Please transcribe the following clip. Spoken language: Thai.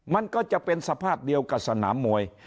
มันก็จะเป็นสภาพเดียวกับสนามมวย